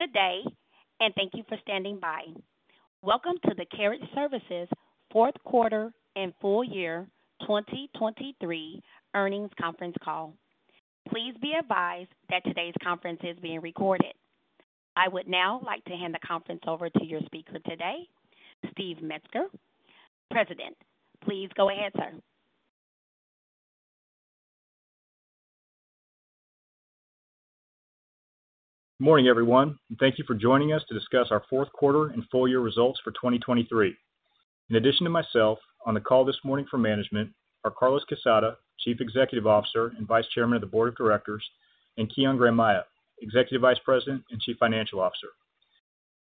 Good day, and thank you for standing by. Welcome to the Carriage Services Fourth Quarter and Full Year 2023 Earnings conference call. Please be advised that today's conference is being recorded. I would now like to hand the conference over to your speaker today, Steven Metzger, President. Please go ahead, sir. Morning, everyone, and thank you for joining us to discuss our fourth quarter and full year results for 2023. In addition to myself, on the call this morning for management are Carlos Quezada, Chief Executive Officer and Vice Chairman of the Board of Directors, and Kian Granmayeh, Executive Vice President and Chief Financial Officer.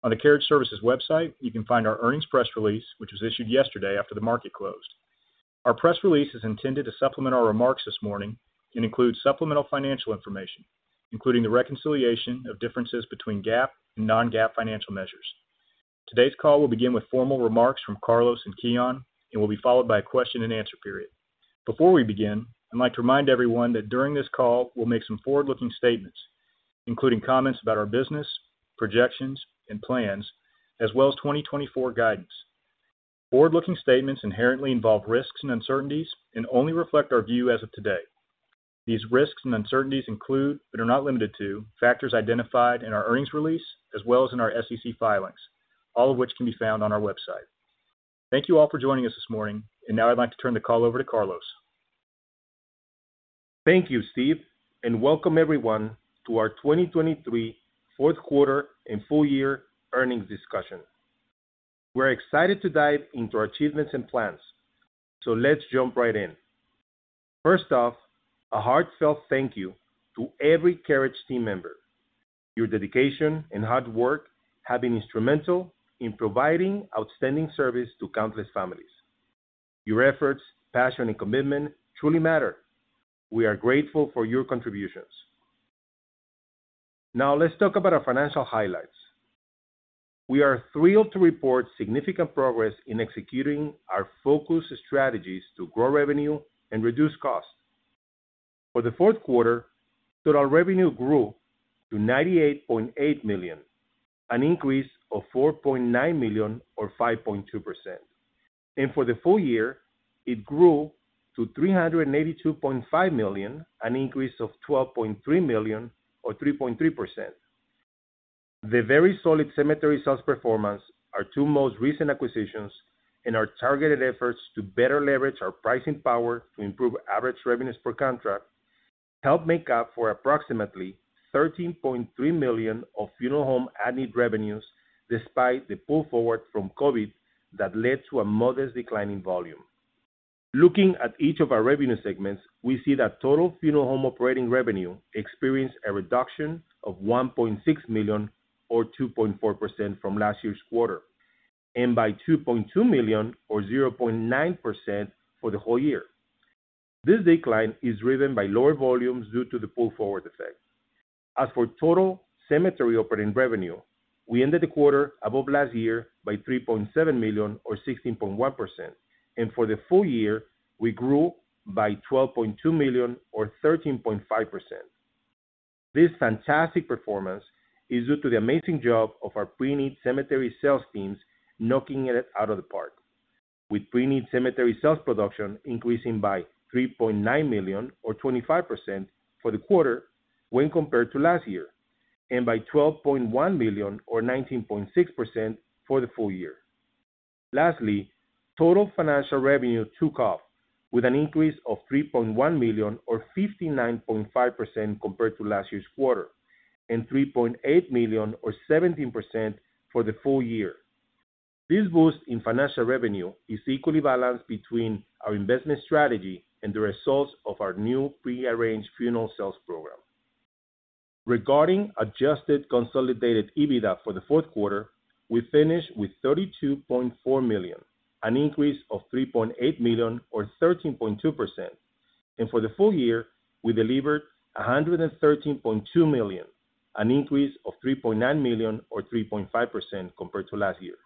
On the Carriage Services website, you can find our earnings press release, which was issued yesterday after the market closed. Our press release is intended to supplement our remarks this morning and includes supplemental financial information, including the reconciliation of differences between GAAP and non-GAAP financial measures. Today's call will begin with formal remarks from Carlos and Kian, and will be followed by a question and answer period. Before we begin, I'd like to remind everyone that during this call, we'll make some forward-looking statements, including comments about our business, projections, and plans, as well as 2024 guidance. Forward-looking statements inherently involve risks and uncertainties and only reflect our view as of today. These risks and uncertainties include, but are not limited to, factors identified in our earnings release, as well as in our SEC filings, all of which can be found on our website. Thank you all for joining us this morning, and now I'd like to turn the call over to Carlos. Thank you, Steve, and welcome everyone to our 2023 fourth quarter and full year earnings discussion. We're excited to dive into our achievements and plans, so let's jump right in. First off, a heartfelt thank you to every Carriage team member. Your dedication and hard work have been instrumental in providing outstanding service to countless families. Your efforts, passion and commitment truly matter. We are grateful for your contributions. Now, let's talk about our financial highlights. We are thrilled to report significant progress in executing our focused strategies to grow revenue and reduce costs. For the fourth quarter, total revenue grew to $98.8 million, an increase of $4.9 million or 5.2%. For the full year, it grew to $382.5 million, an increase of $12.3 million or 3.3%. The very solid cemetery sales performance, our two most recent acquisitions, and our targeted efforts to better leverage our pricing power to improve average revenues per contract, helped make up for approximately $13.3 million of funeral home preneed revenues, despite the pull forward from COVID that led to a modest decline in volume. Looking at each of our revenue segments, we see that total funeral home operating revenue experienced a reduction of $1.6 million, or 2.4% from last year's quarter, and by $2.2 million or 0.9% for the whole year. This decline is driven by lower volumes due to the pull forward effect. As for total cemetery operating revenue, we ended the quarter above last year by $3.7 million or 16.1%, and for the full year, we grew by $12.2 million or 13.5%. This fantastic performance is due to the amazing job of our pre-need cemetery sales teams knocking it out of the park, with pre-need cemetery sales production increasing by $3.9 million or 25% for the quarter when compared to last year, and by $12.1 million or 19.6% for the full year. Lastly, total financial revenue took off with an increase of $3.1 million or 59.5% compared to last year's quarter, and $3.8 million or 17% for the full year. This boost in financial revenue is equally balanced between our investment strategy and the results of our new pre-arranged funeral sales program. Regarding Adjusted Consolidated EBITDA for the fourth quarter, we finished with $32.4 million, an increase of $3.8 million or 13.2%, and for the full year, we delivered $113.2 million, an increase of $3.9 million or 3.5% compared to last year.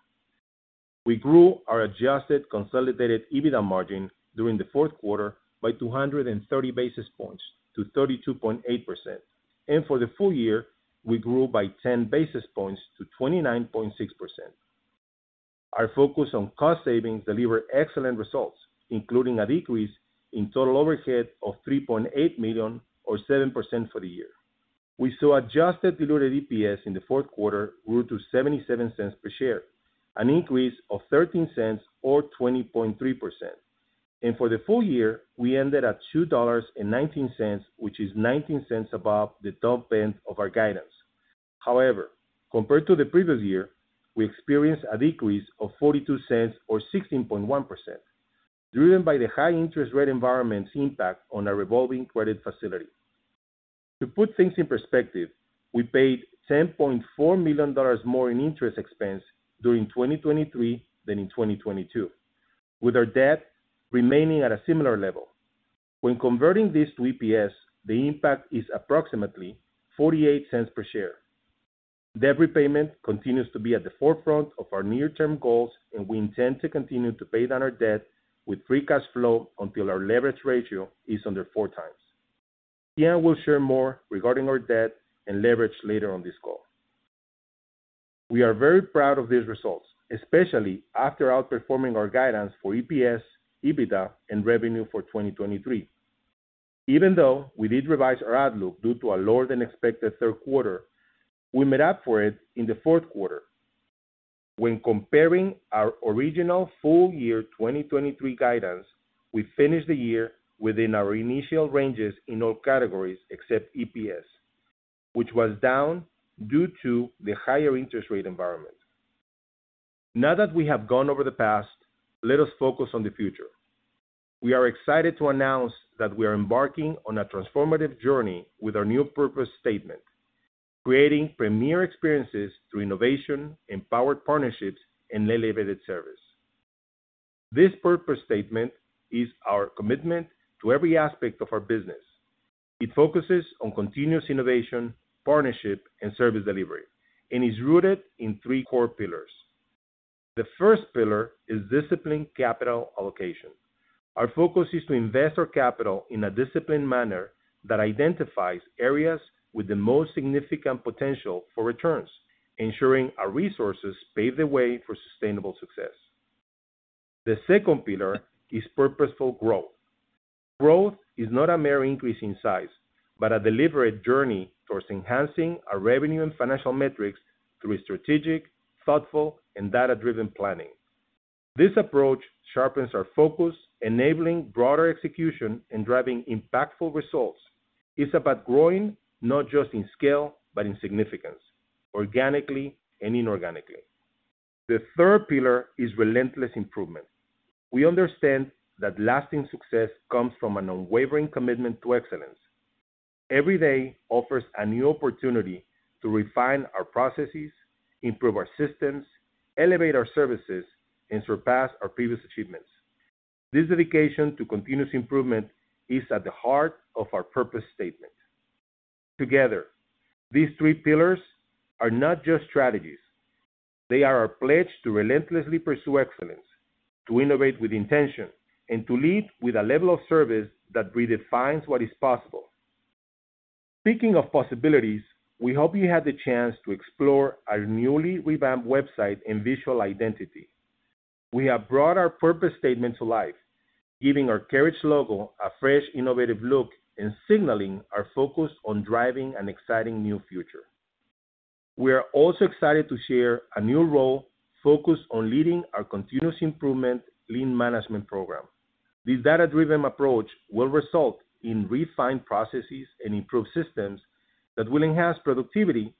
We grew our Adjusted Consolidated EBITDA margin during the fourth quarter by 230 basis points to 32.8%, and for the full year, we grew by 10 basis points to 29.6%. Our focus on cost savings delivered excellent results, including a decrease in total overhead of $3.8 million or 7% for the year. We saw Adjusted Diluted EPS in the fourth quarter grew to $0.77 per share, an increase of $0.13 or 20.3%. For the full year, we ended at $2.19, which is $0.19 above the top end of our guidance. However, compared to the previous year, we experienced a decrease of $0.42 or 16.1%, driven by the high interest rate environment's impact on our revolving credit facility. To put things in perspective, we paid $10.4 million more in interest expense during 2023 than in 2022, with our debt remaining at a similar level. When converting this to EPS, the impact is approximately $0.48 per share. Debt repayment continues to be at the forefront of our near-term goals, and we intend to continue to pay down our debt with free cash flow until our leverage ratio is under 4x. Kian will share more regarding our debt and leverage later on this call. We are very proud of these results, especially after outperforming our guidance for EPS, EBITDA, and revenue for 2023. Even though we did revise our outlook due to a lower-than-expected third quarter, we made up for it in the fourth quarter. When comparing our original full year 2023 guidance, we finished the year within our initial ranges in all categories except EPS, which was down due to the higher interest rate environment. Now that we have gone over the past, let us focus on the future. We are excited to announce that we are embarking on a transformative journey with our new purpose statement, creating premier experiences through innovation, empowered partnerships, and elevated service. This purpose statement is our commitment to every aspect of our business. It focuses on continuous innovation, partnership, and service delivery, and is rooted in three core pillars. The first pillar is disciplined capital allocation. Our focus is to invest our capital in a disciplined manner that identifies areas with the most significant potential for returns, ensuring our resources pave the way for sustainable success. The second pillar is purposeful growth. Growth is not a mere increase in size, but a deliberate journey towards enhancing our revenue and financial metrics through strategic, thoughtful, and data-driven planning. This approach sharpens our focus, enabling broader execution and driving impactful results. It's about growing, not just in scale, but in significance, organically and inorganically. The third pillar is relentless improvement. We understand that lasting success comes from an unwavering commitment to excellence. Every day offers a new opportunity to refine our processes, improve our systems, elevate our services, and surpass our previous achievements. This dedication to continuous improvement is at the heart of our purpose statement. Together, these three pillars are not just strategies. They are our pledge to relentlessly pursue excellence, to innovate with intention, and to lead with a level of service that redefines what is possible. Speaking of possibilities, we hope you had the chance to explore our newly revamped website and visual identity. We have brought our purpose statement to life, giving our Carriage logo a fresh, innovative look and signaling our focus on driving an exciting new future. We are also excited to share a new role focused on leading our continuous improvement lean management program. This data-driven approach will result in refined processes and improved systems that will enhance productivity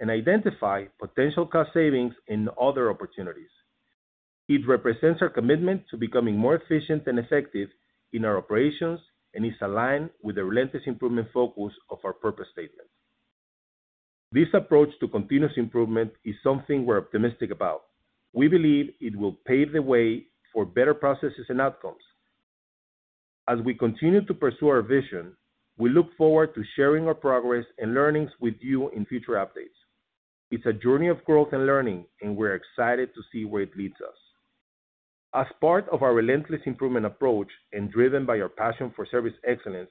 and identify potential cost savings and other opportunities. It represents our commitment to becoming more efficient and effective in our operations, and is aligned with the relentless improvement focus of our purpose statement. This approach to continuous improvement is something we're optimistic about. We believe it will pave the way for better processes and outcomes. As we continue to pursue our vision, we look forward to sharing our progress and learnings with you in future updates. It's a journey of growth and learning, and we're excited to see where it leads us. As part of our relentless improvement approach, and driven by our passion for service excellence,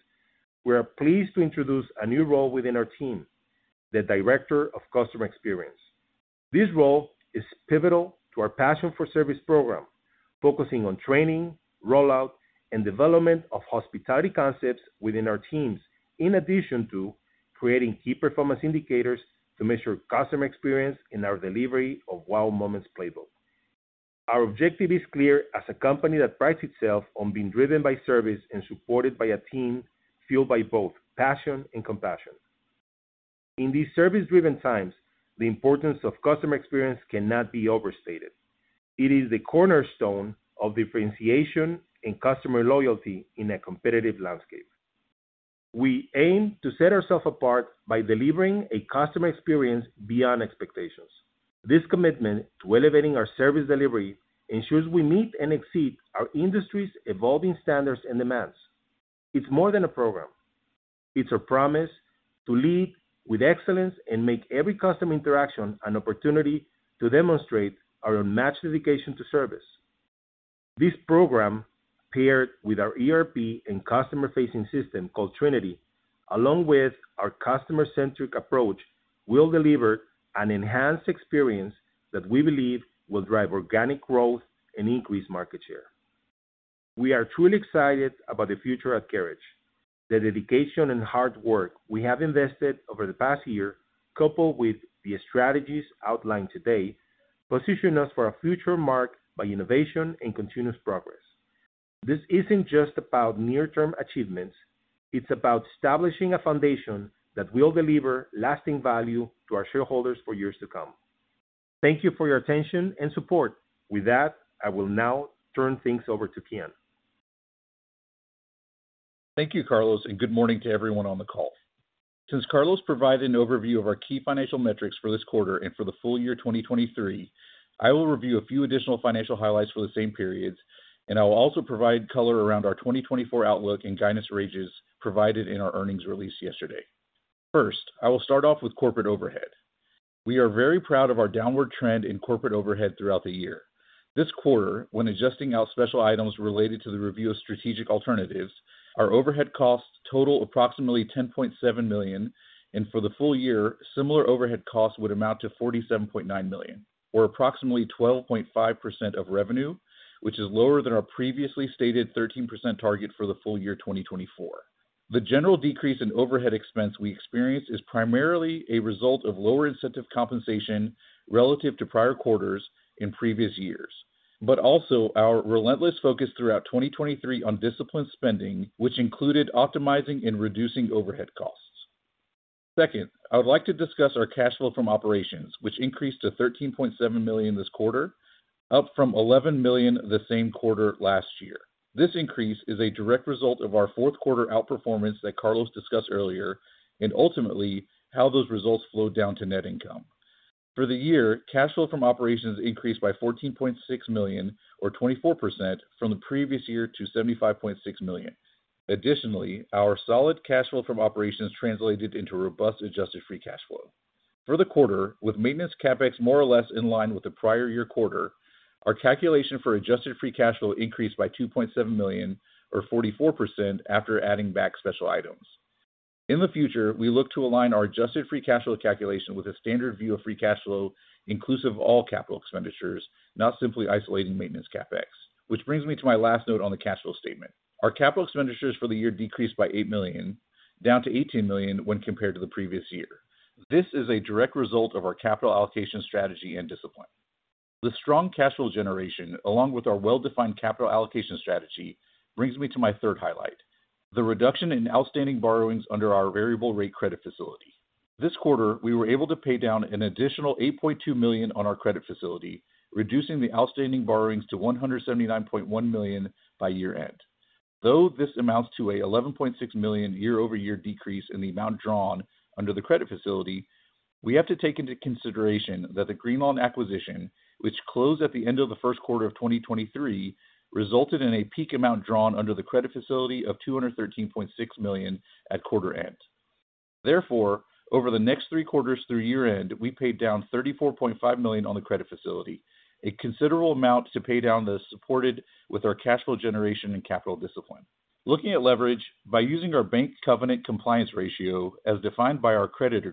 we are pleased to introduce a new role within our team, the Director of Customer Experience. This role is pivotal to our Passion for Service program, focusing on training, rollout, and development of hospitality concepts within our teams, in addition to creating key performance indicators to measure customer experience in our Delivery of WOW Moments Playbook. Our objective is clear as a company that prides itself on being driven by service and supported by a team fueled by both passion and compassion. In these service-driven times, the importance of customer experience cannot be overstated. It is the cornerstone of differentiation and customer loyalty in a competitive landscape. We aim to set ourselves apart by delivering a customer experience beyond expectations. This commitment to elevating our service delivery ensures we meet and exceed our industry's evolving standards and demands. It's more than a program. It's a promise to lead with excellence and make every customer interaction an opportunity to demonstrate our unmatched dedication to service. This program, paired with our ERP and customer-facing system called Trinity, along with our customer-centric approach, will deliver an enhanced experience that we believe will drive organic growth and increase market share. We are truly excited about the future at Carriage. The dedication and hard work we have invested over the past year, coupled with the strategies outlined today, position us for a future marked by innovation and continuous progress. This isn't just about near-term achievements, it's about establishing a foundation that will deliver lasting value to our shareholders for years to come. Thank you for your attention and support. With that, I will now turn things over to Kian. Thank you, Carlos, and good morning to everyone on the call. Since Carlos provided an overview of our key financial metrics for this quarter and for the full year 2023, I will review a few additional financial highlights for the same periods, and I will also provide color around our 2024 outlook and guidance ranges provided in our earnings release yesterday. First, I will start off with corporate overhead. We are very proud of our downward trend in corporate overhead throughout the year. This quarter, when adjusting out special items related to the review of strategic alternatives, our overhead costs total approximately $10.7 million, and for the full year, similar overhead costs would amount to $47.9 million, or approximately 12.5% of revenue, which is lower than our previously stated 13% target for the full year 2024. The general decrease in overhead expense we experienced is primarily a result of lower incentive compensation relative to prior quarters in previous years, but also our relentless focus throughout 2023 on disciplined spending, which included optimizing and reducing overhead costs. Second, I would like to discuss our cash flow from operations, which increased to $13.7 million this quarter, up from $11 million the same quarter last year. This increase is a direct result of our fourth quarter outperformance that Carlos discussed earlier and ultimately, how those results flowed down to net income. For the year, cash flow from operations increased by $14.6 million, or 24%, from the previous year to $75.6 million. Additionally, our solid cash flow from operations translated into robust Adjusted Free Cash Flow. For the quarter, with Maintenance CapEx more or less in line with the prior year quarter, our calculation for Adjusted Free Cash Flow increased by $2.7 million, or 44%, after adding back special items. In the future, we look to align our Adjusted Free Cash Flow calculation with a standard view of free cash flow, inclusive of all capital expenditures, not simply isolating Maintenance CapEx. Which brings me to my last note on the cash flow statement. Our capital expenditures for the year decreased by $8 million, down to $18 million when compared to the previous year. This is a direct result of our capital allocation strategy and discipline. The strong cash flow generation, along with our well-defined capital allocation strategy, brings me to my third highlight, the reduction in outstanding borrowings under our variable rate credit facility. This quarter, we were able to pay down an additional $8.2 million on our credit facility, reducing the outstanding borrowings to $179.1 million by year-end. Though this amounts to an $11.6 million year-over-year decrease in the amount drawn under the credit facility, we have to take into consideration that the Greenlawn acquisition, which closed at the end of the first quarter of 2023, resulted in a peak amount drawn under the credit facility of $213.6 million at quarter end. Therefore, over the next three quarters through year end, we paid down $34.5 million on the credit facility, a considerable amount to pay down the supported with our cash flow generation and capital discipline. Looking at leverage, by using our bank covenant compliance ratio as defined by our credit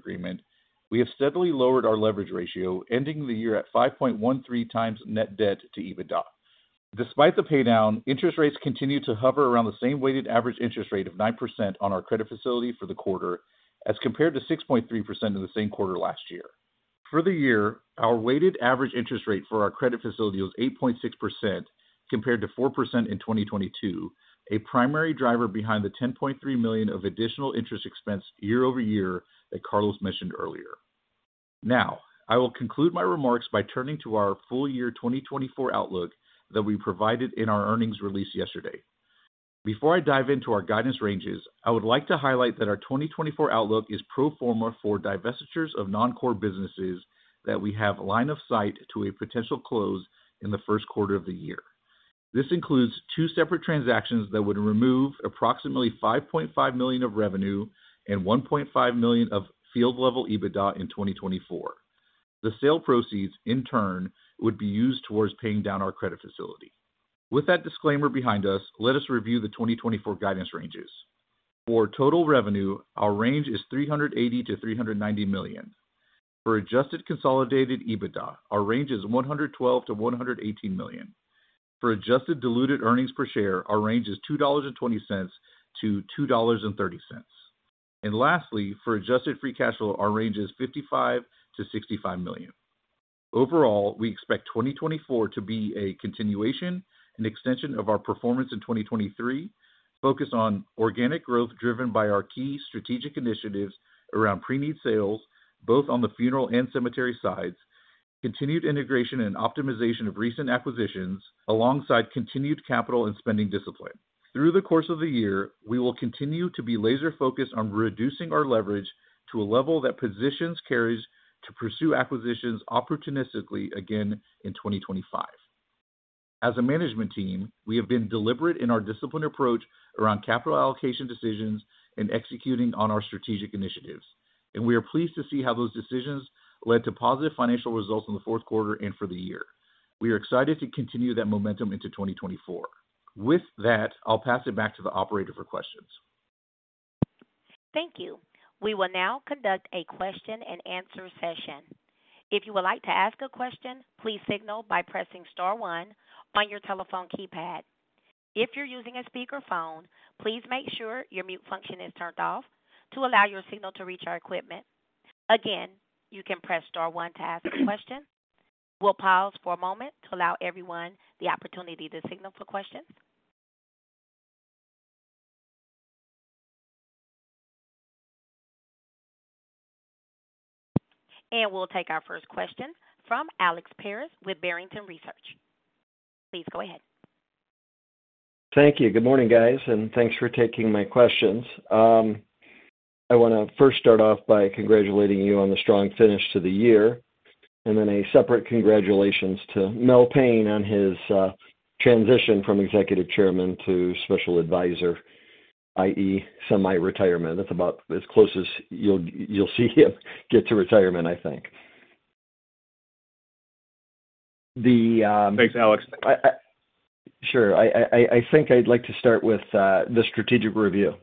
agreement, we have steadily lowered our leverage ratio, ending the year at 5.13 times Net Debt to EBITDA. Despite the pay down, interest rates continued to hover around the same weighted average interest rate of 9% on our credit facility for the quarter, as compared to 6.3% in the same quarter last year. For the year, our weighted average interest rate for our credit facility was 8.6%, compared to 4% in 2022, a primary driver behind the $10.3 million of additional interest expense year-over-year that Carlos mentioned earlier. Now, I will conclude my remarks by turning to our full year 2024 outlook that we provided in our earnings release yesterday. Before I dive into our guidance ranges, I would like to highlight that our 2024 outlook is pro forma for divestitures of non-core businesses that we have line of sight to a potential close in the first quarter of the year. This includes two separate transactions that would remove approximately $5.5 million of revenue and $1.5 million of field-level EBITDA in 2024. The sale proceeds, in turn, would be used towards paying down our credit facility. With that disclaimer behind us, let us review the 2024 guidance ranges. For total revenue, our range is $380 million-$390 million. For Adjusted Consolidated EBITDA, our range is $112 million-$118 million. For adjusted diluted earnings per share, our range is $2.20-$2.30. Lastly, for adjusted free cash flow, our range is $55 million-$65 million. Overall, we expect 2024 to be a continuation and extension of our performance in 2023, focused on organic growth driven by our key strategic initiatives around preneed sales, both on the funeral and cemetery sides, continued integration and optimization of recent acquisitions, alongside continued capital and spending discipline. Through the course of the year, we will continue to be laser focused on reducing our leverage to a level that positions Carriage to pursue acquisitions opportunistically again in 2025. As a management team, we have been deliberate in our disciplined approach around capital allocation decisions and executing on our strategic initiatives, and we are pleased to see how those decisions led to positive financial results in the fourth quarter and for the year. We are excited to continue that momentum into 2024. With that, I'll pass it back to the operator for questions. Thank you. We will now conduct a question-and-answer session. If you would like to ask a question, please signal by pressing star one on your telephone keypad. If you're using a speakerphone, please make sure your mute function is turned off to allow your signal to reach our equipment. Again, you can press star one to ask a question. We'll pause for a moment to allow everyone the opportunity to signal for questions. We'll take our first question from Alex Paris with Barrington Research. Please go ahead. Thank you. Good morning, guys, and thanks for taking my questions. I want to first start off by congratulating you on the strong finish to the year.... Then a separate congratulations to Mel Payne on his transition from Executive Chairman to Special Advisor, i.e., semi-retirement. That's about as close as you'll, you'll see him get to retirement, I think. Thanks, Alex. Sure. I think I'd like to start with the strategic review.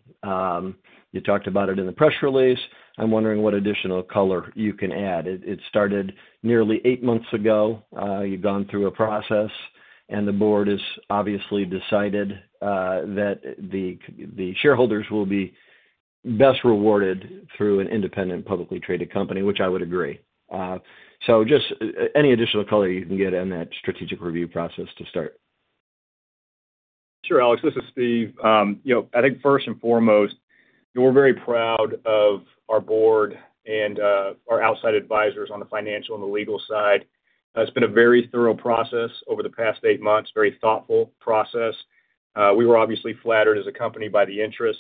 You talked about it in the press release. I'm wondering what additional color you can add. It started nearly eight months ago. You've gone through a process, and the board has obviously decided that the shareholders will be best rewarded through an independent, publicly traded company, which I would agree. So just any additional color you can get on that strategic review process to start. Sure, Alex, this is Steve. You know, I think first and foremost, we're very proud of our board and our outside advisors on the financial and the legal side. It's been a very thorough process over the past eight months, very thoughtful process. We were obviously flattered as a company by the interest.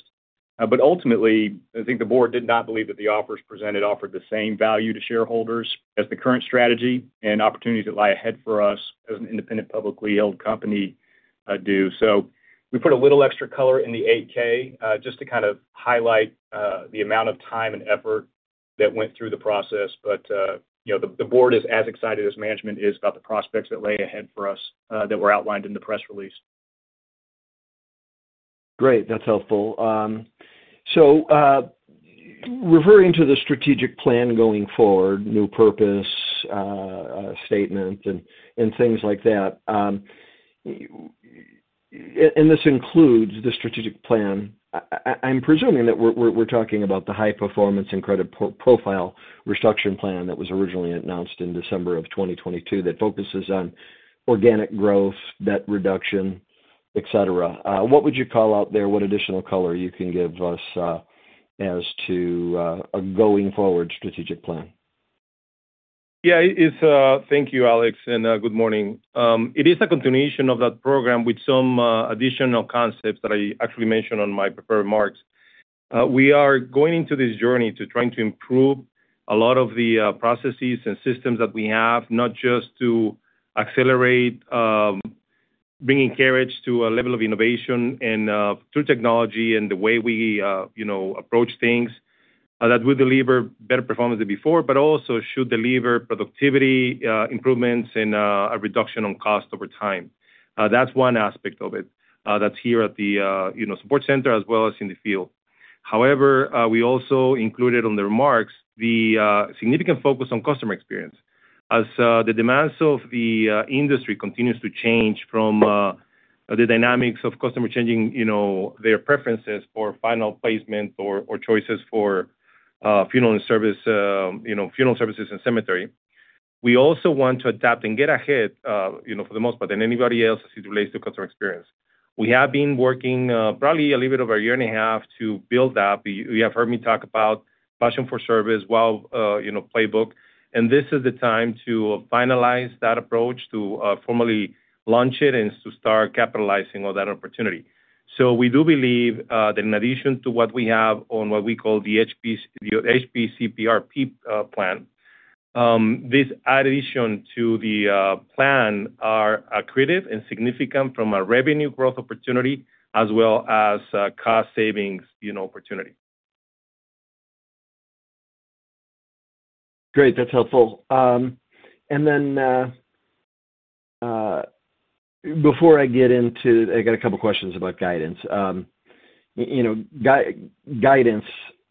But ultimately, I think the board did not believe that the offers presented offered the same value to shareholders as the current strategy and opportunities that lie ahead for us as an independent, publicly held company do. So we put a little extra color in the 8-K, just to kind of highlight the amount of time and effort that went through the process, but, you know, the board is as excited as management is about the prospects that lay ahead for us that were outlined in the press release. Great, that's helpful. Referring to the strategic plan going forward, new purpose statement and things like that, and this includes the strategic plan. I'm presuming that we're talking about the High Performance and Credit Profile Restoration Plan that was originally announced in December of 2022, that focuses on organic growth, debt reduction, et cetera. What would you call out there? What additional color you can give us as to a going forward strategic plan? Yeah, it's... Thank you, Alex, and good morning. It is a continuation of that program with some additional concepts that I actually mentioned on my prepared remarks. We are going into this journey to trying to improve a lot of the processes and systems that we have, not just to accelerate bringing Carriage to a level of innovation and through technology and the way we you know approach things that we deliver better performance than before, but also should deliver productivity improvements and a reduction on cost over time. That's one aspect of it. That's here at the you know support center as well as in the field. However, we also included on the remarks the significant focus on customer experience. As the demands of the industry continues to change from the dynamics of customer changing, you know, their preferences for final placement or choices for funeral and service, you know, funeral services and cemetery, we also want to adapt and get ahead, you know, for the most part, than anybody else as it relates to customer experience. We have been working probably a little bit over a year and a half to build that. You have heard me talk about Passion for Service while, you know, playbook, and this is the time to finalize that approach, to formally launch it and to start capitalizing on that opportunity. So we do believe that in addition to what we have on what we call the HPCPRP plan, this addition to the plan are accretive and significant from a revenue growth opportunity as well as cost savings, you know, opportunity. Great, that's helpful. And then, before I get into... I got a couple questions about guidance. You know, guidance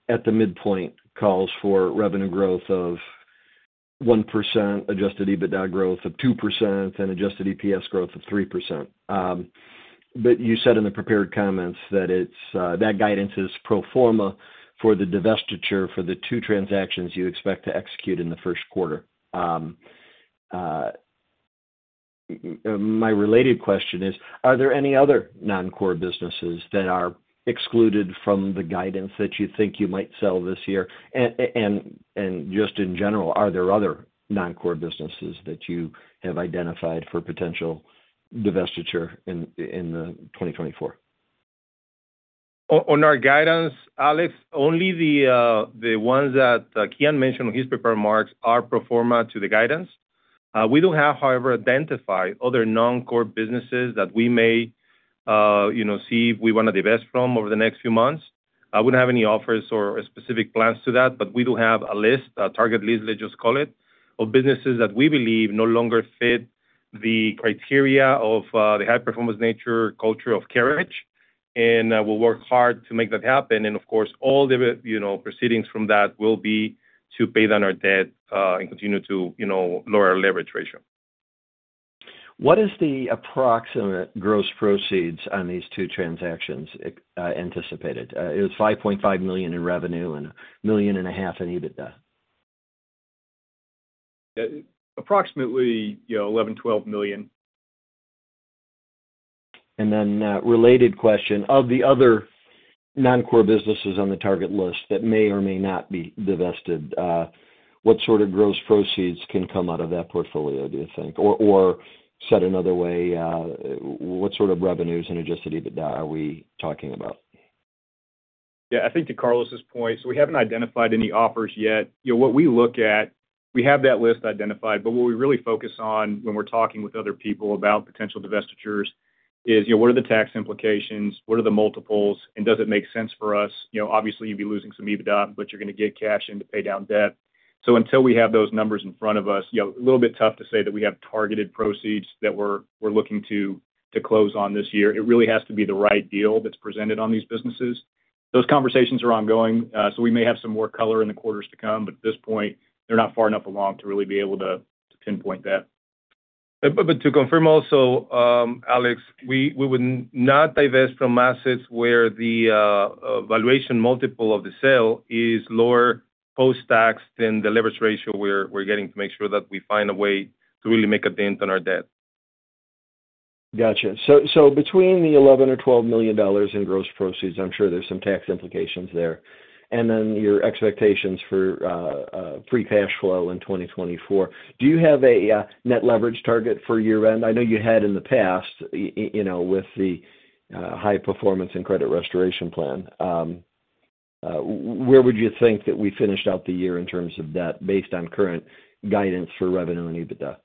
at the midpoint calls for revenue growth of 1%, Adjusted EBITDA growth of 2%, and Adjusted EPS growth of 3%. But you said in the prepared comments that it's, that guidance is pro forma for the divestiture for the two transactions you expect to execute in the first quarter. My related question is, are there any other non-core businesses that are excluded from the guidance that you think you might sell this year? And, just in general, are there other non-core businesses that you have identified for potential divestiture in 2024? On our guidance, Alex, only the ones that Kian mentioned on his prepared remarks are pro forma to the guidance. We don't have, however, identified other non-core businesses that we may, you know, see if we want to divest from over the next few months. I wouldn't have any offers or specific plans to that, but we do have a list, a target list, let's just call it, of businesses that we believe no longer fit the criteria of the high-performance nature culture of Carriage, and we'll work hard to make that happen. And of course, all the, you know, proceedings from that will be to pay down our debt, and continue to, you know, lower our leverage ratio. What is the approximate gross proceeds on these two transactions, anticipated? It was $5.5 million in revenue and $1.5 million in EBITDA. Approximately, you know, $11 million-$12 million. And then, related question: Of the other non-core businesses on the target list that may or may not be divested, what sort of gross proceeds can come out of that portfolio, do you think? Or, said another way, what sort of revenues and adjusted EBITDA are we talking about?... Yeah, I think to Carlos's point, so we haven't identified any offers yet. You know, what we look at, we have that list identified, but what we really focus on when we're talking with other people about potential divestitures is, you know, what are the tax implications? What are the multiples, and does it make sense for us? You know, obviously, you'd be losing some EBITDA, but you're gonna get cash in to pay down debt. So until we have those numbers in front of us, you know, a little bit tough to say that we have targeted proceeds that we're looking to close on this year. It really has to be the right deal that's presented on these businesses. Those conversations are ongoing, so we may have some more color in the quarters to come, but at this point, they're not far enough along to really be able to pinpoint that. But to confirm also, Alex, we would not divest from assets where the valuation multiple of the sale is lower post-tax than the leverage ratio we're getting to make sure that we find a way to really make a dent on our debt. Gotcha. So between the $11 million or $12 million in gross proceeds, I'm sure there's some tax implications there. And then your expectations for free cash flow in 2024. Do you have a net leverage target for year-end? I know you had in the past, you know, with the high performance and credit restoration plan. Where would you think that we finished out the year in terms of debt based on current guidance for revenue and EBITDA?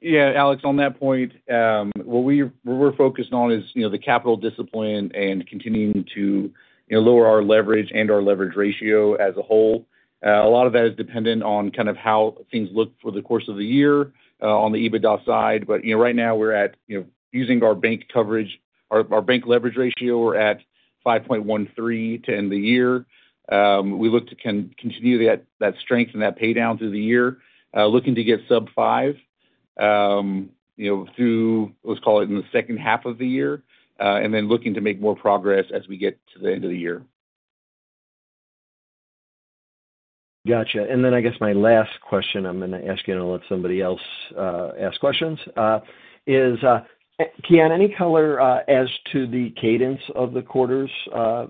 Yeah, Alex, on that point, what we, what we're focused on is, you know, the capital discipline and continuing to, you know, lower our leverage and our leverage ratio as a whole. A lot of that is dependent on kind of how things look for the course of the year, on the EBITDA side. But, you know, right now we're at, you know, using our bank coverage, our, our bank leverage ratio, we're at 5.13 to end the year. We look to continue that, that strength and that pay down through the year, looking to get sub five, you know, through, let's call it in the second half of the year, and then looking to make more progress as we get to the end of the year. Gotcha. And then I guess my last question I'm gonna ask you, and I'll let somebody else ask questions, is Kian, any color as to the cadence of the quarters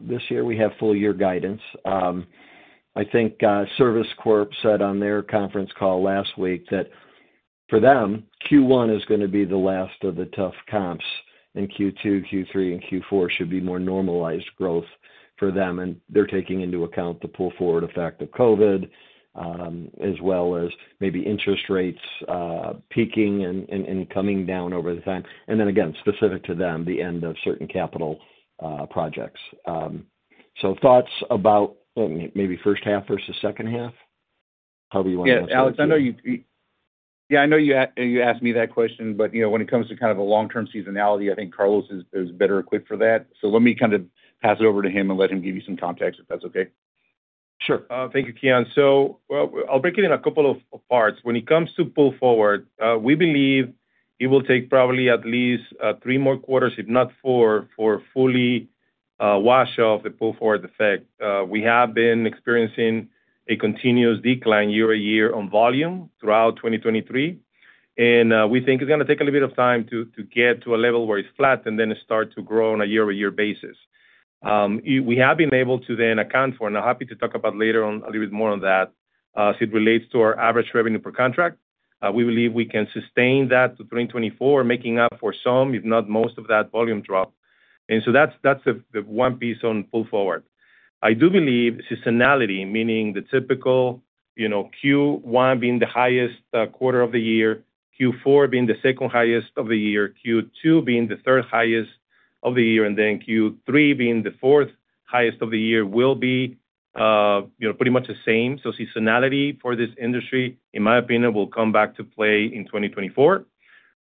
this year? We have full year guidance. I think Service Corp said on their conference call last week that for them, Q1 is gonna be the last of the tough comps, and Q2, Q3, and Q4 should be more normalized growth for them, and they're taking into account the pull-forward effect of COVID, as well as maybe interest rates peaking and coming down over the time. And then again, specific to them, the end of certain capital projects. So thoughts about maybe first half versus second half? How do you wanna- Yeah, Alex, I know you asked me that question, but, you know, when it comes to kind of a long-term seasonality, I think Carlos is better equipped for that. So let me kind of pass it over to him and let him give you some context, if that's okay. Sure. Thank you, Kian. So I'll break it in a couple of parts. When it comes to pull forward, we believe it will take probably at least three more quarters, if not four, for fully wash off the pull-forward effect. We have been experiencing a continuous decline year-over-year on volume throughout 2023, and we think it's gonna take a little bit of time to get to a level where it's flat and then start to grow on a year-over-year basis. We have been able to then account for, and I'm happy to talk about later on a little bit more on that, as it relates to our average revenue per contract. We believe we can sustain that to 2024, making up for some, if not most of that volume drop. And so that's the one piece on pull forward. I do believe seasonality, meaning the typical, you know, Q1 being the highest quarter of the year, Q4 being the second highest of the year, Q2 being the third highest of the year, and then Q3 being the fourth highest of the year, will be, you know, pretty much the same. So seasonality for this industry, in my opinion, will come back to play in 2024,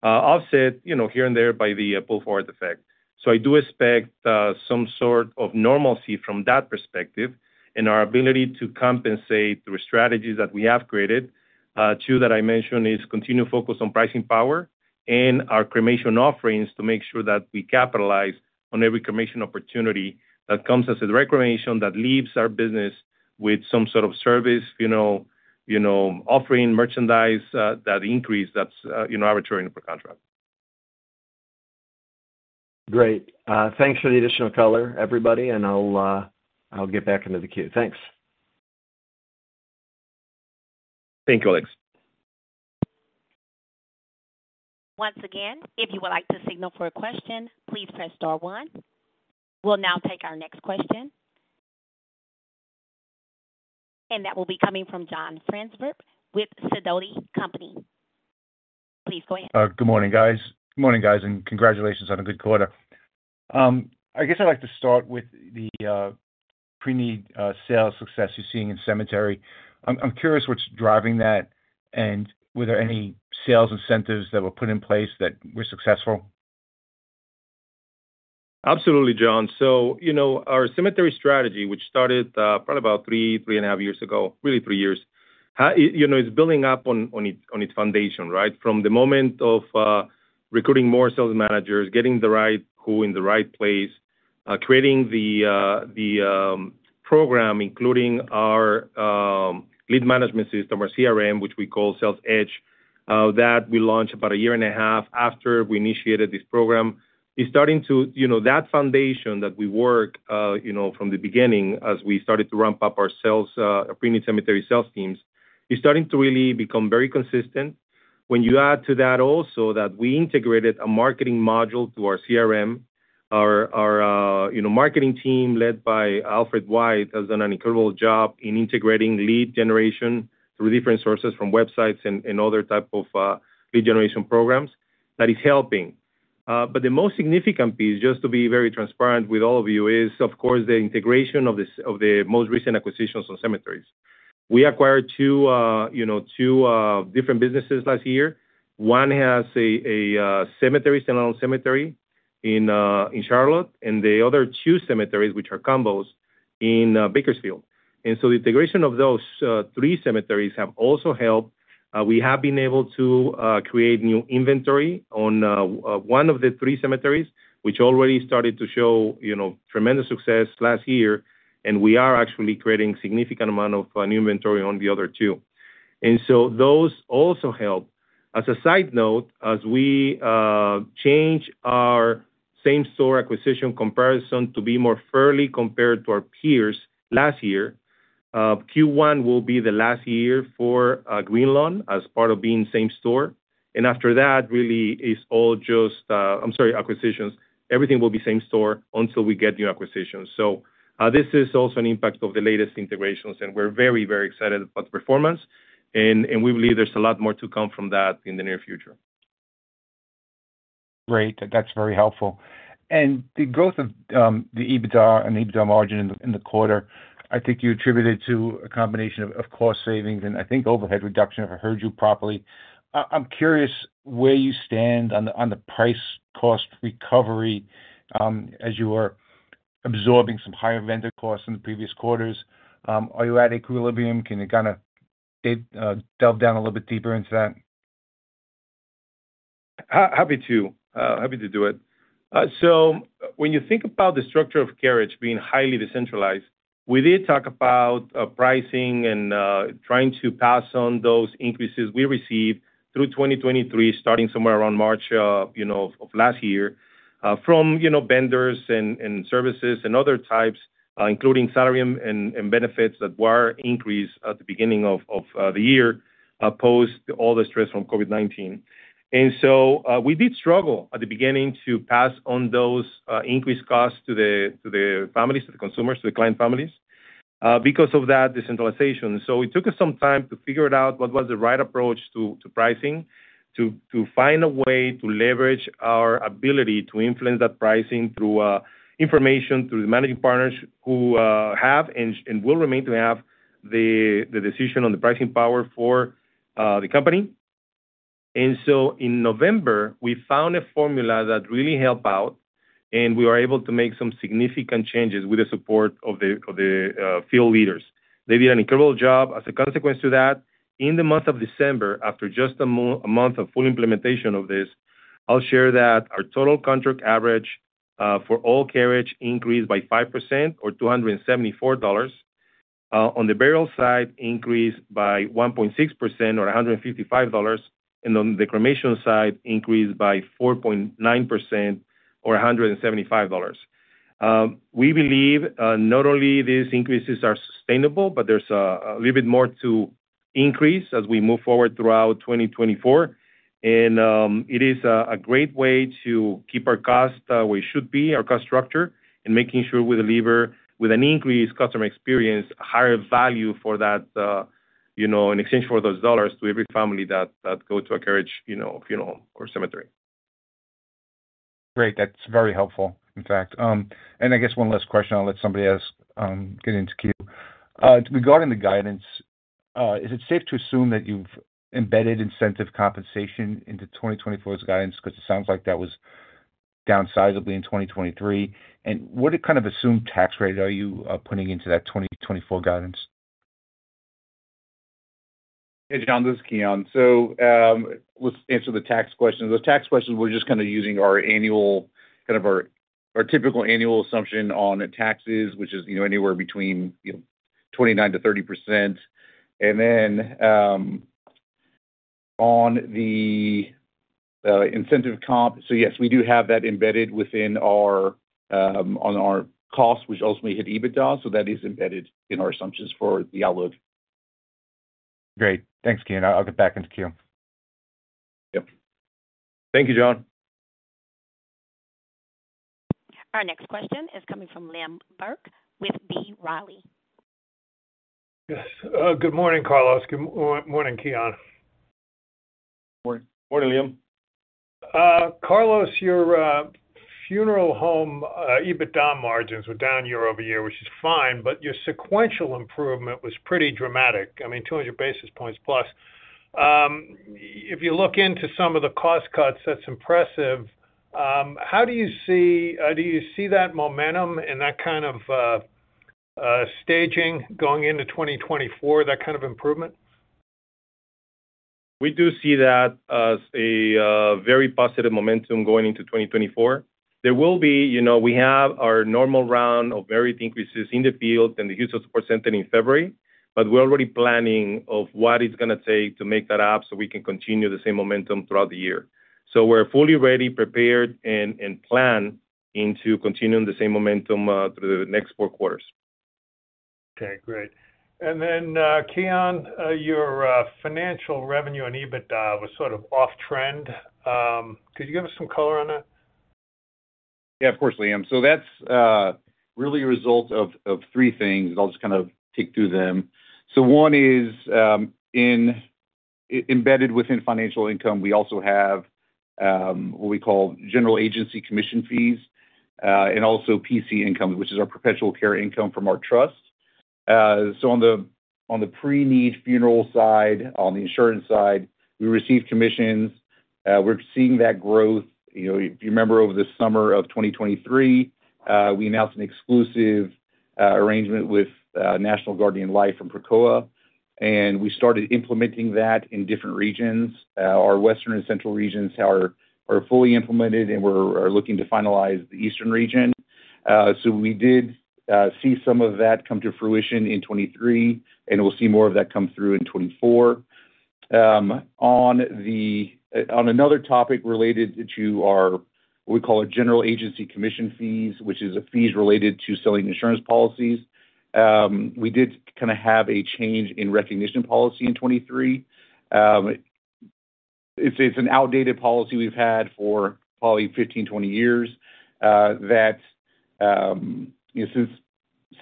offset, you know, here and there by the pull-forward effect. So I do expect some sort of normalcy from that perspective and our ability to compensate through strategies that we have created. Two that I mentioned is continued focus on pricing power and our cremation offerings to make sure that we capitalize on every cremation opportunity that comes as a cremation that leaves our business with some sort of service, you know, you know, offering merchandise, that increase, that's, you know, average per contract. Great. Thanks for the additional color, everybody, and I'll get back into the queue. Thanks. Thank you, Alex. Once again, if you would like to signal for a question, please press star one. We'll now take our next question, and that will be coming from John Franzreb with Sidoti & Company. Please go ahead. Good morning, guys. Good morning, guys, and congratulations on a good quarter. I guess I'd like to start with the pre-need sales success you're seeing in cemetery. I'm curious what's driving that, and were there any sales incentives that were put in place that were successful? Absolutely, John. So, you know, our cemetery strategy, which started, probably about three and a half years ago, really three years, you know, is building up on its foundation, right? From the moment of recruiting more sales managers, getting the right people in the right place, creating the program, including our lead management system, our CRM, which we call Sales Edge, that we launched about a year and a half after we initiated this program. It's starting to... You know, that foundation that we work, you know, from the beginning as we started to ramp up our sales, pre-need cemetery sales teams, is starting to really become very consistent.... When you add to that also that we integrated a marketing module to our CRM, our you know marketing team, led by Alfred White, has done an incredible job in integrating lead generation through different sources, from websites and other type of lead generation programs. That is helping. But the most significant piece, just to be very transparent with all of you, is, of course, the integration of the most recent acquisitions on cemeteries. We acquired two you know two different businesses last year. One has a cemetery, standalone cemetery in Charlotte, and the other two cemeteries, which are combos in Bakersfield. And so the integration of those three cemeteries have also helped. We have been able to create new inventory on one of the three cemeteries, which already started to show, you know, tremendous success last year, and we are actually creating significant amount of new inventory on the other two. And so those also help. As a side note, as we change our same-store acquisition comparison to be more fairly compared to our peers last year, Q1 will be the last year for Greenlawn as part of being same store. And after that, really, it's all just... I'm sorry, acquisitions. Everything will be same store until we get new acquisitions. So this is also an impact of the latest integrations, and we're very, very excited about the performance, and, and we believe there's a lot more to come from that in the near future. Great. That's very helpful. The growth of the EBITDA and EBITDA margin in the quarter, I think you attributed to a combination of cost savings and I think overhead reduction, if I heard you properly. I'm curious where you stand on the price cost recovery, as you are absorbing some higher vendor costs in the previous quarters. Are you at equilibrium? Can you kinda delve down a little bit deeper into that? Happy to. Happy to do it. So when you think about the structure of Carriage being highly decentralized, we did talk about pricing and trying to pass on those increases we received through 2023, starting somewhere around March, you know, of last year, from vendors and services and other types, including salary and benefits that were increased at the beginning of the year, post all the stress from COVID-19. And so, we did struggle at the beginning to pass on those increased costs to the families, to the consumers, to the client families, because of that decentralization. So it took us some time to figure it out, what was the right approach to pricing, to find a way to leverage our ability to influence that pricing through information, through the managing partners who have and will remain to have the decision on the pricing power for the company. And so in November, we found a formula that really helped out, and we were able to make some significant changes with the support of the field leaders. They did an incredible job. As a consequence to that, in the month of December, after just a month of full implementation of this, I'll share that our total contract average for all Carriage increased by 5% or $274. On the burial side, increased by 1.6% or $155, and on the cremation side, increased by 4.9% or $175. We believe not only these increases are sustainable, but there's a little bit more to increase as we move forward throughout 2024. It is a great way to keep our costs where it should be, our cost structure, and making sure we deliver, with an increased customer experience, higher value for that, you know, in exchange for those dollars to every family that go to a Carriage, you know, funeral home or cemetery. Great. That's very helpful, in fact. And I guess one last question, I'll let somebody else get into queue. Regarding the guidance, is it safe to assume that you've embedded incentive compensation into 2024's guidance? Because it sounds like that was down sizably in 2023. And what kind of assumed tax rate are you putting into that 2024 guidance? Hey, John, this is Kian. So, let's answer the tax question. The tax question, we're just kind of using our annual, kind of our, our typical annual assumption on taxes, which is, you know, anywhere between, you know, 29%-30%. And then, on the, incentive comp, so yes, we do have that embedded within our, on our cost, which ultimately hit EBITDA, so that is embedded in our assumptions for the outlook. Great. Thanks, Kian. I'll get back into queue. Yep. Thank you, John. Our next question is coming from Liam Burke with B. Riley. Yes. Good morning, Carlos. Good morning, Kian. Morning. Morning, Liam. Carlos, your funeral home EBITDA margins were down year-over-year, which is fine, but your sequential improvement was pretty dramatic. I mean, 200 basis points plus. If you look into some of the cost cuts, that's impressive. How do you see, do you see that momentum and that kind of staging going into 2024, that kind of improvement? We do see that as a very positive momentum going into 2024. There will be. You know, we have our normal round of varied increases in the field and the use of support center in February, but we're already planning of what it's gonna take to make that up, so we can continue the same momentum throughout the year. So we're fully ready, prepared, and plan into continuing the same momentum through the next four quarters. ... Okay, great. And then, Kian, your funeral revenue and EBITDA was sort of off trend. Could you give us some color on that? Yeah, of course, Liam. So that's really a result of three things. I'll just kind of tick through them. So one is, in embedded within financial income, we also have what we call general agency commission fees, and also PC income, which is our perpetual care income from our trust. So on the pre-need funeral side, on the insurance side, we receive commissions. We're seeing that growth. You know, if you remember, over the summer of 2023, we announced an exclusive arrangement with National Guardian Life from Precoa, and we started implementing that in different regions. Our Western and Central regions are fully implemented, and we're looking to finalize the Eastern region. So we did see some of that come to fruition in 2023, and we'll see more of that come through in 2024. On another topic related to our what we call general agency commission fees, which is the fees related to selling insurance policies, we did kind of have a change in recognition policy in 2023. It's an outdated policy we've had for probably 15-20 years that you know since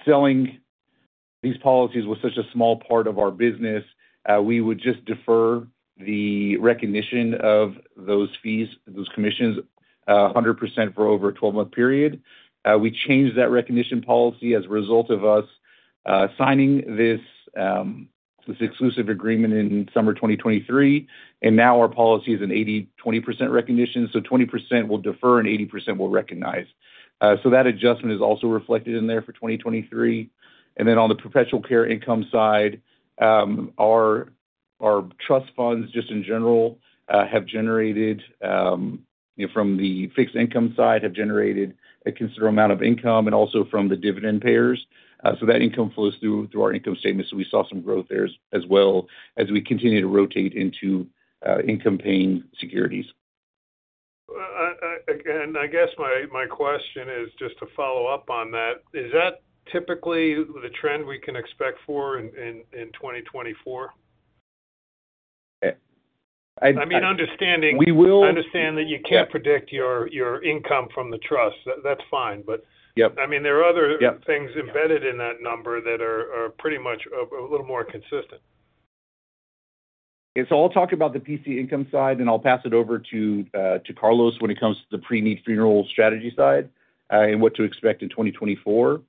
selling these policies was such a small part of our business we would just defer the recognition of those fees, those commissions 100% for over a 12-month period. We changed that recognition policy as a result of us signing this exclusive agreement in summer 2023, and now our policy is an 80/20% recognition, so 20% will defer, and 80% will recognize. So that adjustment is also reflected in there for 2023. And then on the Perpetual Care Income side, our trust funds, just in general, have generated, you know, from the fixed income side, a considerable amount of income and also from the dividend payers. So that income flows through our income statement, so we saw some growth there as well as we continue to rotate into income-paying securities. Again, I guess my question is, just to follow up on that, is that typically the trend we can expect for in 2024? Uh, I, I- I mean, understanding- We will- I understand that you can't predict your, your income from the trust. That's fine, but- Yep. I mean, there are other- Yep... things embedded in that number that are pretty much a little more consistent. Yeah. So I'll talk about the PC income side, and I'll pass it over to Carlos when it comes to the pre-need funeral strategy side, and what to expect in 2024.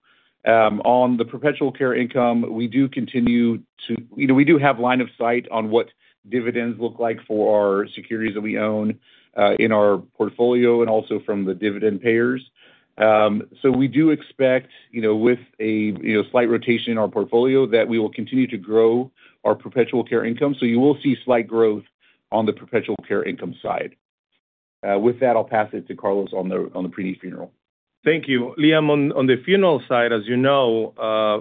On the perpetual care income, we do continue to... You know, we do have line of sight on what dividends look like for our securities that we own in our portfolio and also from the dividend payers. So we do expect, you know, with a, you know, slight rotation in our portfolio, that we will continue to grow our perpetual care income. So you will see slight growth on the perpetual care income side. With that, I'll pass it to Carlos on the pre-need funeral. Thank you. Liam, on the funeral side, as you know,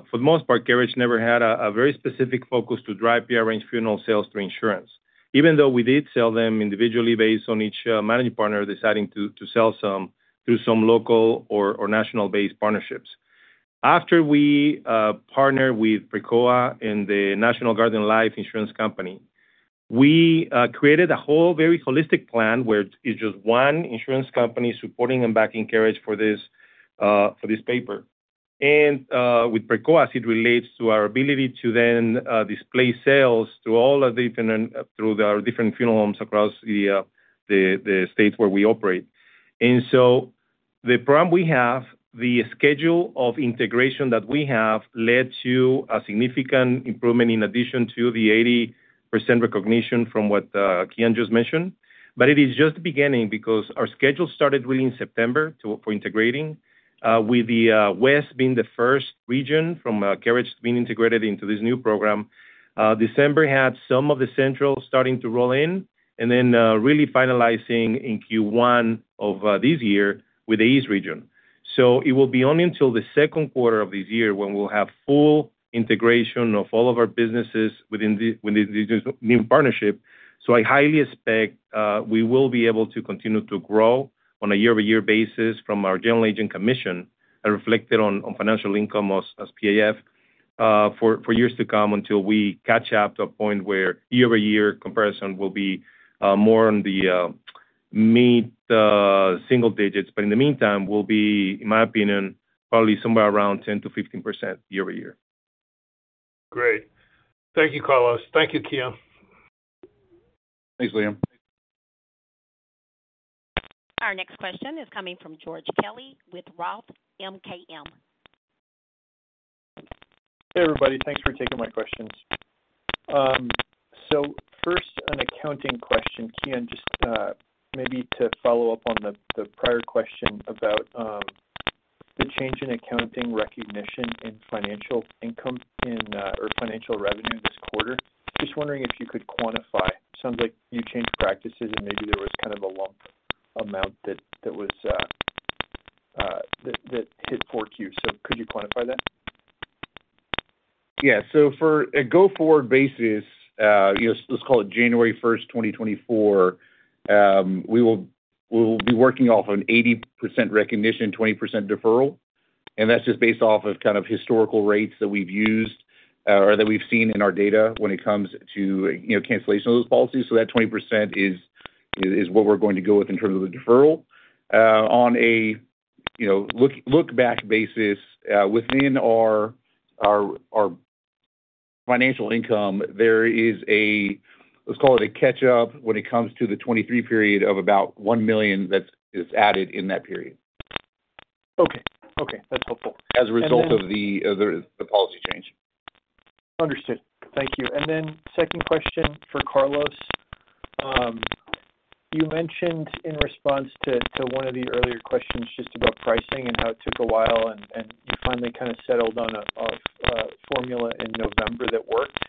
for the most part, Carriage never had a very specific focus to drive pre-arranged funeral sales through insurance. Even though we did sell them individually based on each managing partner deciding to sell some through some local or national-based partnerships. After we partnered with Precoa and the National Guardian Life Insurance Company, we created a whole very holistic plan, where it's just one insurance company supporting and backing Carriage for this paper. And with Precoa, as it relates to our ability to then display sales through all of the different funeral homes across the states where we operate. So the problem we have, the schedule of integration that we have led to a significant improvement in addition to the 80% recognition from what, Kian just mentioned. But it is just the beginning because our schedule started really in September for integrating with the West being the first region from Carriage being integrated into this new program. December had some of the Central starting to roll in, and then really finalizing in Q1 of this year with the East region. So it will be only until the second quarter of this year when we'll have full integration of all of our businesses within this new partnership. So I highly expect, we will be able to continue to grow on a year-over-year basis from our general agent commission, reflected on financial income as PAF, for years to come, until we catch up to a point where year-over-year comparison will be, more on the mid single digits. But in the meantime, we'll be, in my opinion, probably somewhere around 10%-15% year-over-year. Great. Thank you, Carlos. Thank you, Kian. Thanks, Liam. Our next question is coming from George Kelly with Roth MKM. Hey, everybody. Thanks for taking my questions. So first, an accounting question. Kian, just, maybe to follow up on the prior question about the change in accounting recognition in financial income in or financial revenue this quarter. Just wondering if you could quantify. Sounds like you changed practices, and maybe there was kind of a lump amount that hit Q4. So could you quantify that? Yeah. So for a go-forward basis, you know, let's call it January first, 2024, we will be working off an 80% recognition, 20% deferral, and that's just based off of kind of historical rates that we've used, or that we've seen in our data when it comes to, you know, cancellation of those policies. So that 20% is what we're going to go with in terms of the deferral. On a, you know, look-back basis, within our financial income, there is a, let's call it a catch-up, when it comes to the 2023 period of about $1 million that's added in that period. Okay. Okay, that's helpful. As a result of the policy change. Understood. Thank you. And then second question for Carlos. You mentioned in response to, to one of the earlier questions, just about pricing and how it took a while, and, and you finally kind of settled on a, a, a formula in November that worked.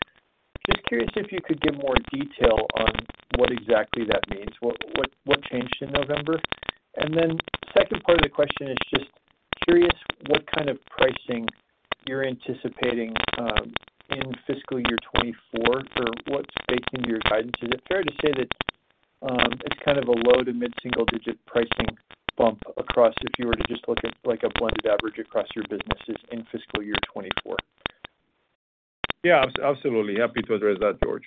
Just curious if you could give more detail on what exactly that means. What, what, what changed in November? And then second part of the question is just curious what kind of pricing you're anticipating, in fiscal year 2024, for what's baking your guidance? Is it fair to say that, it's kind of a low to mid-single-digit pricing bump across if you were to just look at like a blended average across your businesses in fiscal year 2024? Yeah, absolutely. Happy to address that, George.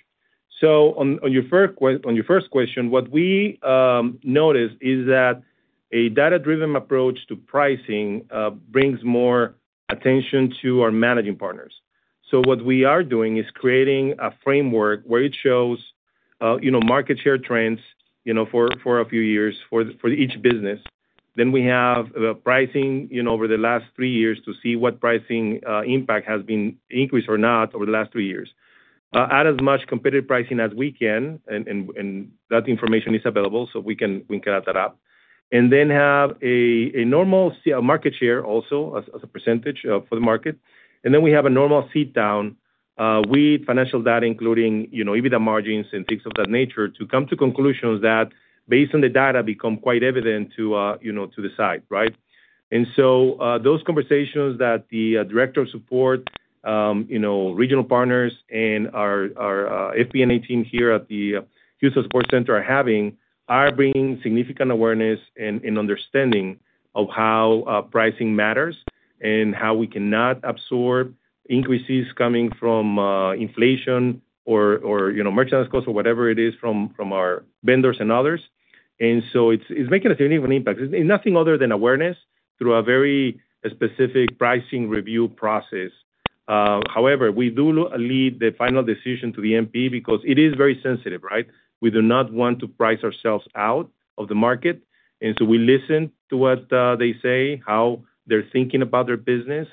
So on your first question, what we noticed is that a data-driven approach to pricing brings more attention to our managing partners. So what we are doing is creating a framework where it shows, you know, market share trends, you know, for a few years, for each business. Then we have the pricing, you know, over the last three years to see what pricing impact has been increased or not over the last three years. Add as much competitive pricing as we can, and that information is available, so we can add that up. And then have a market share also, as a percentage, for the market. And then we have a normal sit-down with financial data, including, you know, EBITDA margins and things of that nature, to come to conclusions that, based on the data, become quite evident to, you know, to decide, right? And so, those conversations that the director of support, you know, regional partners and our FP&A team here at the User Support Center are having, are bringing significant awareness and understanding of how pricing matters, and how we cannot absorb increases coming from inflation or you know, merchandise costs or whatever it is from our vendors and others. And so it's making a significant impact. It's nothing other than awareness through a very specific pricing review process. However, we do leave the final decision to the MP because it is very sensitive, right? We do not want to price ourselves out of the market, and so we listen to what they say, how they're thinking about their business,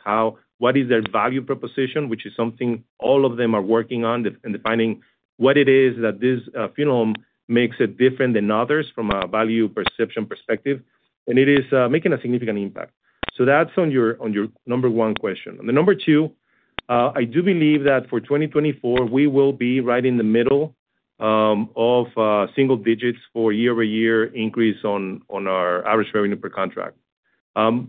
what is their value proposition, which is something all of them are working on, and defining what it is that this funeral home makes it different than others from a value perception perspective. It is making a significant impact. So that's on your number one question. On the number two, I do believe that for 2024, we will be right in the middle of single digits for year-over-year increase on our average revenue per contract.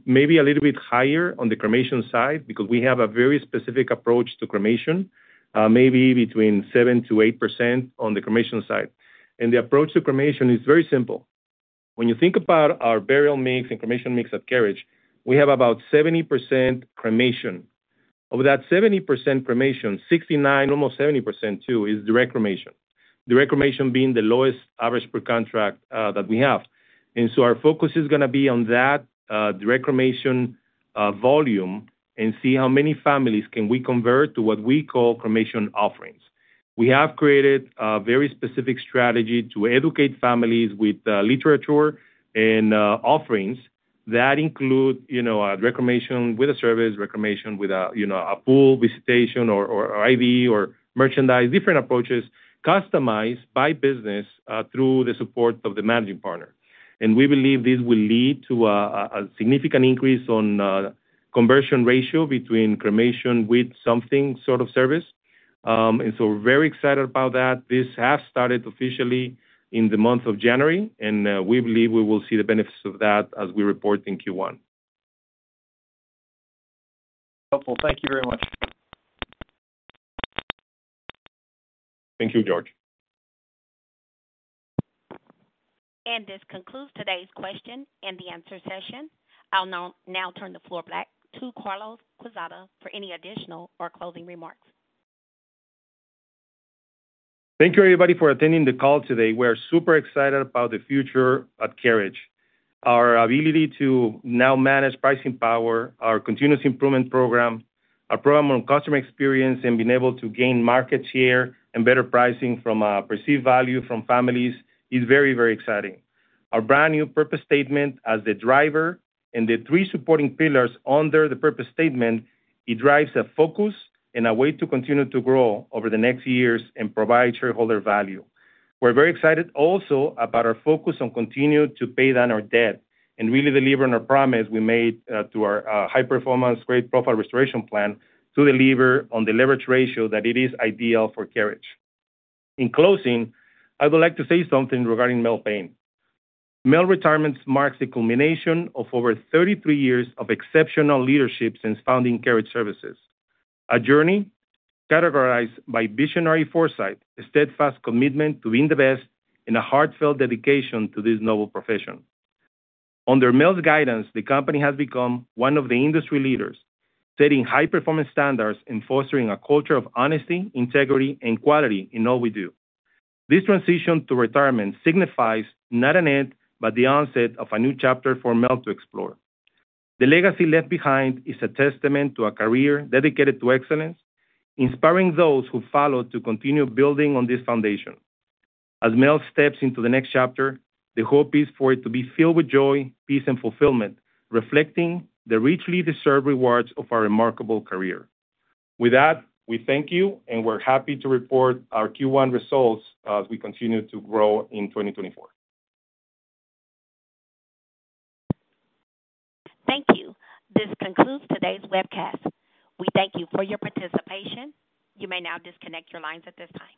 Maybe a little bit higher on the cremation side, because we have a very specific approach to cremation, maybe between 7%-8% on the cremation side. The approach to cremation is very simple. When you think about our burial mix and cremation mix at Carriage, we have about 70% cremation. Of that 70% cremation, 69%, almost 70%, too, is direct cremation. Direct cremation being the lowest average per contract that we have. And so our focus is gonna be on that direct cremation volume and see how many families can we convert to what we call cremation offerings. We have created a very specific strategy to educate families with literature and offerings that include, you know, direct cremation with a service, direct cremation with a, you know, a full visitation, or IV or merchandise. Different approaches, customized by business through the support of the managing partner. And we believe this will lead to a significant increase on conversion ratio between cremation with something sort of service. And so we're very excited about that. This has started officially in the month of January, and we believe we will see the benefits of that as we report in Q1. Helpful. Thank you very much. Thank you, George. This concludes today's question and the answer session. I'll now turn the floor back to Carlos Quezada for any additional or closing remarks. Thank you, everybody, for attending the call today. We are super excited about the future at Carriage. Our ability to now manage pricing power, our continuous improvement program, our program on customer experience, and being able to gain market share and better pricing from a perceived value from families is very, very exciting. Our brand new purpose statement as the driver and the three supporting pillars under the purpose statement, it drives a focus and a way to continue to grow over the next years and provide shareholder value. We're very excited also about our focus on continuing to pay down our debt and really delivering on our promise we made to our High Performance and Credit Profile Restoration Plan, to deliver on the leverage ratio that it is ideal for Carriage. In closing, I would like to say something regarding Mel Payne. Mel's retirement marks a culmination of over 33 years of exceptional leadership since founding Carriage Services. A journey categorized by visionary foresight, a steadfast commitment to being the best, and a heartfelt dedication to this noble profession. Under Mel's guidance, the company has become one of the industry leaders, setting high performance standards and fostering a culture of honesty, integrity and quality in all we do. This transition to retirement signifies not an end, but the onset of a new chapter for Mel to explore. The legacy left behind is a testament to a career dedicated to excellence, inspiring those who follow to continue building on this foundation. As Mel steps into the next chapter, the hope is for it to be filled with joy, peace and fulfillment, reflecting the richly deserved rewards of a remarkable career. With that, we thank you, and we're happy to report our Q1 results as we continue to grow in 2024. Thank you. This concludes today's webcast. We thank you for your participation. You may now disconnect your lines at this time.